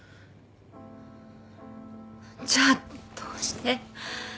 じゃあどうして？